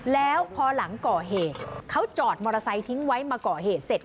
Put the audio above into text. แล้วพอหลังก่อเหตุเขาจอดมอเตอร์ไซค์ทิ้งไว้มาก่อเหตุเสร็จ